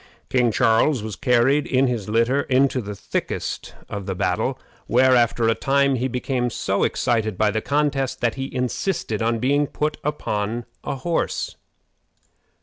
King Charles was carried in his litter into the thickest of the battle, where, after a time, he became so excited by the contest that he insisted on being put upon a horse.